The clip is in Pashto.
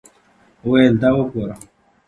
ویل دا وګوره.